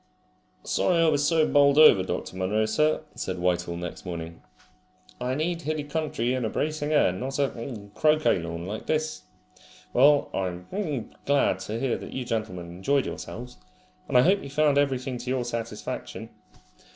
"Sorry I was so bowled over, Dr. Munro, sir," said Whitehall next morning. "I need hilly country and a bracing air, not a croquet lawn like this. Well, I'm glad to hear that you gentlemen enjoyed yourselves, and I hope you found everything to your satisfaction."